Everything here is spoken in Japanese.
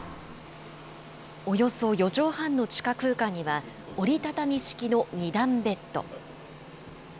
およそ４畳半の地下空間には、折り畳み式の２段ベッド。